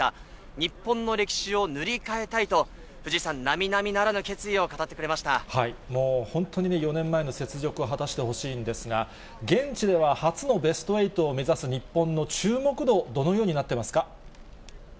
日本の歴史を塗り替えたいと、藤井さん、なみなみならぬ決意をもう本当にね、４年前の雪辱を果たしてほしいんですが、現地では初のベスト８を目指す日本の注目度、どのようになってますか。